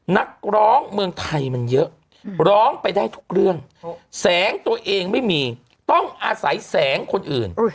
นักร้องเมืองไทยมันเยอะร้องไปได้ทุกเรื่องแสงตัวเองไม่มีต้องอาศัยแสงคนอื่น